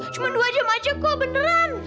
cuma dua jam aja kok beneran